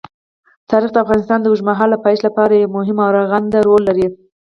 تاریخ د افغانستان د اوږدمهاله پایښت لپاره یو مهم او رغنده رول لري.